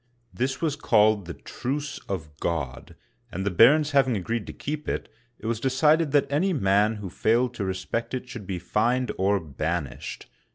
This was called the '* Truce of God,'* and the barons hav ing agreed to keep it, it was decided that any man who failed to respect it should be fined or banished.